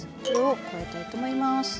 これを加えたいと思います。